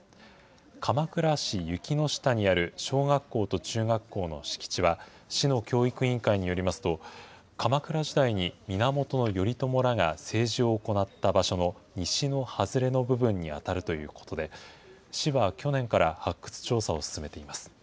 鎌倉市雪ノ下にある小学校と中学校の敷地は、市の教育委員会によりますと、鎌倉時代に源頼朝らが政治を行った場所の西の外れの部分に当たるということで、市は去年から発掘調査を進めています。